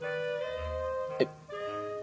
えっ。